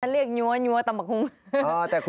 จ้าเรียกเหยื่อเหยือตำบังคุณ